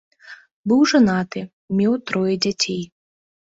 Быў жанаты, меў трое дзяцей.